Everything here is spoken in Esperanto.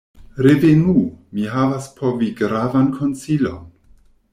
"Revenu! mi havas por vi gravan konsilon.